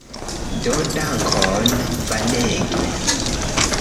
Do dankon Vanege.